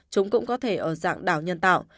chúng cũng có thể ở dạng đảo nhân tạo